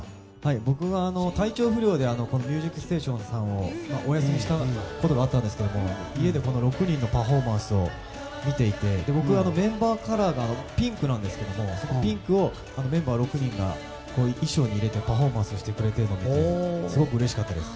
僕が体調不良で「ミュージックステーション」さんをお休みしたことがあったんですが家で６人のパフォーマンスを見ていて僕はメンバーカラーがピンクなんですけどピンクをメンバー６人が衣装に入れてパフォーマンスをしてくれているのを見てすごくうれしかったです。